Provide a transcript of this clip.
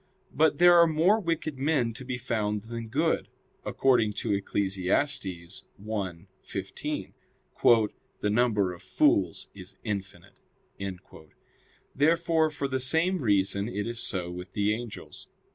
But there are more wicked men to be found than good; according to Eccles. 1:15: "The number of fools is infinite." Therefore for the same reason it is so with the angels.